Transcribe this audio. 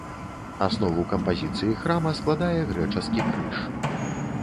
Аснову кампазіцыі храма складае грэчаскі крыж.